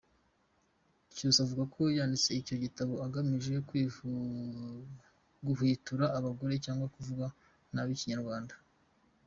Cyusa avuga ko yanditse icyo gitabo agamije guhwitura abagoreka cyangwa bakavuga nabi Ikinyarwanda.